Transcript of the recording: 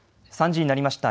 ３時になりました。